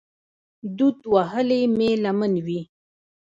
دود وهلې مې لمن وي